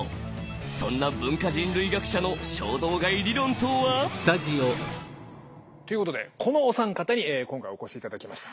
そんな文化人類学者の衝動買い理論とは？ということでこのお三方に今回お越しいただきました。